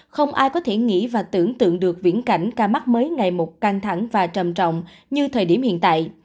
không ai có thể nghĩ và tưởng tượng được viễn cảnh ca mắc mới ngày một căng thẳng và trầm trọng như thời điểm hiện tại